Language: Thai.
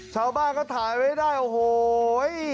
ชาวบ้านก็ถ่ายไว้ได้โอ้โห